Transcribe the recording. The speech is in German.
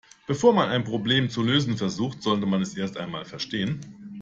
Bevor man ein Problem zu lösen versucht, sollte man es erst einmal verstehen.